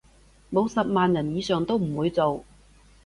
冇十萬人以上都唔會做